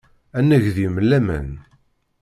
Ad neg deg-m laman.